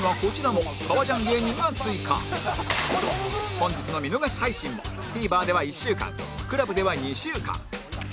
本日の見逃し配信も ＴＶｅｒ では１週間 ＣＬＵＢ では２週間